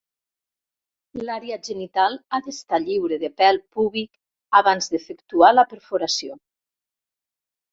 L'àrea genital ha d'estar lliure de pèl púbic abans d'efectuar la perforació.